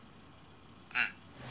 うん。